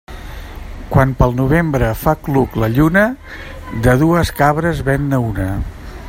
Quan pel novembre fa cluc la lluna, de dues cabres ven-ne una.